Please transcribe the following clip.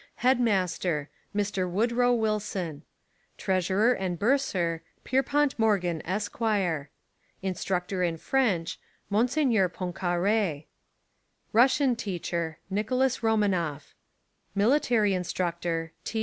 Headmaster Mr. Woodrow Wilson Treasurer and Bursar. . Pierpont Morgan, Esq. Instructor in French Mons. Poincare Russian Teacher Nich. Romanoff Military Instructor T.